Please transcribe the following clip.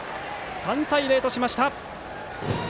３対０としました。